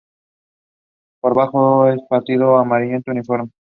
Por abajo es pardo amarillento uniforme.